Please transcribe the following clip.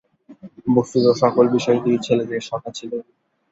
বস্তুত সকল বিষয়েই তিনি ছেলেদের সখা ছিলেন।